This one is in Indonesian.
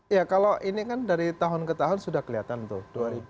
ya kalau ini kan dari tahun ke tahun sudah kelihatan tuh